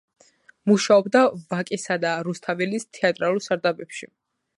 მუშაობდა ვაკისა და რუსთაველის თეატრალურ სარდაფებში.